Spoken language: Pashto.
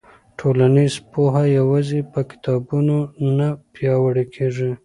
ټولنیز پوهه یوازې په کتابونو نه پیاوړې کېږي.